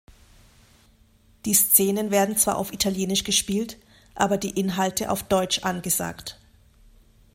Die Szenen werden zwar auf Italienisch gespielt, aber die Inhalte auf Deutsch angesagt.